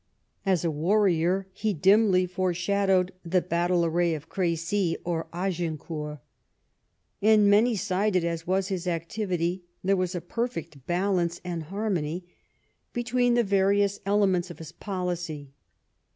As a warrior he dimly foreshadowed the battle array of Crecy or Agincourt. And many sided as was his activity, there was a perfect balance and harmony between the various elements of his policy.